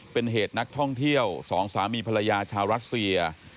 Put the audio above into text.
เป็นเหตุนักท่องเที่ยวสองสามีภรรยาชาวรัสเซีย